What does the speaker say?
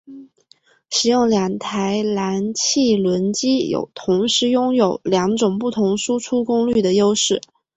使用两台燃气轮机有同时拥有两种不同输出功率的优势。